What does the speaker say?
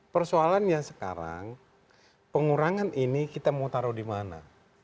persoalannya sekarang pengurangan ini kita mau taruh di mana